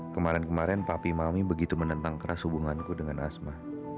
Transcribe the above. kemarin kemarin papi mami begitu menentang keras hubunganku dengan asma